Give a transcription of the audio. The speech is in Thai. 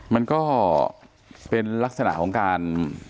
มันก็เป็นลักษณะของการ